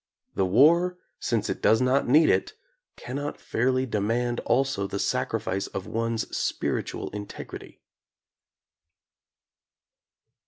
The war, since it does not need it, cannot fairly demand also the sacrifice of one's spiritual integ rity.